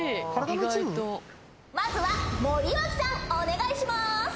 まずは森脇さんお願いします。